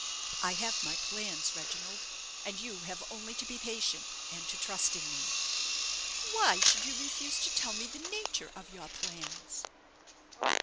I have my plans, Reginald, and you have only to be patient, and to trust in me." "But why should you refuse to tell me the nature of your plans?"